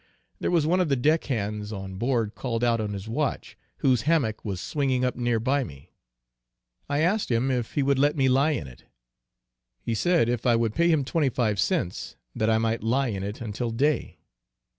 There was one of the deck hands on board called out on his watch, whose hammock was swinging up near by me. I asked him if he would let me lie in it. He said if I would pay him twenty five cents that I might lie in it until day.